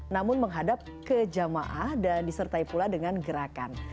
namun menghadap kejamaah dan disertai pula dengan gerakan